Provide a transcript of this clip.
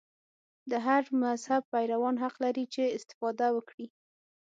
د هر مذهب پیروان حق لري چې استفاده وکړي.